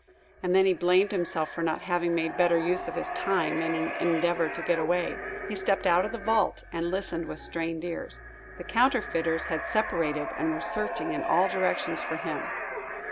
And then he blamed himself for not having made better use of his time in an endeavor to get away. He stepped out of the vault, and listened with strained ears. The counterfeiters had separated, and were searching in all directions for him.